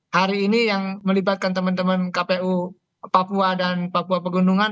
hari ini yang melibatkan teman teman kpu papua dan papua pegunungan